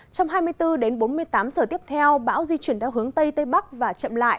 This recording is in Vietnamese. trong hai mươi bốn đến bốn mươi tám giờ tiếp theo bão di chuyển theo hướng tây tây bắc và chậm lại